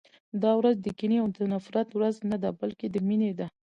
دا ورځ د کینې او د نفرت ورځ نه ده، بلکې د مینې ده.